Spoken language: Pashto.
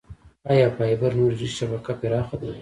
آیا فایبر نوري شبکه پراخه ده؟